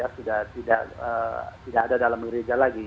sudah tidak ada dalam gereja lagi